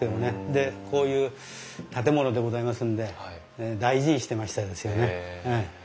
でこういう建物でございますんで大事にしてましたですよね。